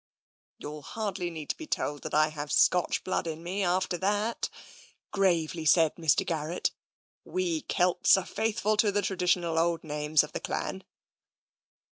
" You will hardly need to be told that I have Scotch blood in me, after that," gravely said Mr. Garrett. "We Kelts are faithful to the traditional old names of the Clan."